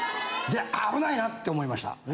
で危ないなって思いました。